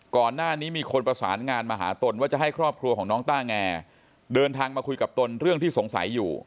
ก่อนหน้านี้มีคนประสานงานมาหาตนว่าจะให้ครอบครัวของน้องต้าแงเดินทางมาคุยกับตนเรื่องที่สงสัยอยู่